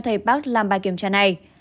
thầy park làm bài kiểm tra này